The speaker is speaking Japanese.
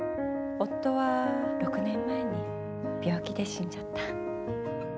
夫は６年前に病気で死んじゃった。